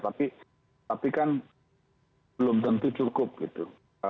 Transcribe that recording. tapi kan belum tentu cukup gitu